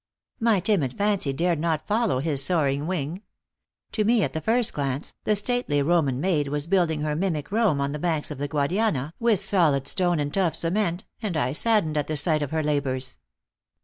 My timid fancy dared not follow his soaring wing; to me at the first glance, the stately Roman maid was building her mimic Rome on the banks of the Guadiana with solid stone and tough cement, and I saddened at the sight of her labors.